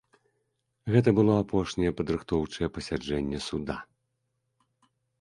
Гэта было апошняе падрыхтоўчае пасяджэнне суда.